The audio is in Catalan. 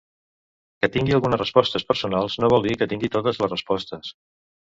Que tingui algunes respostes personals no vol dir que tingui totes les respostes.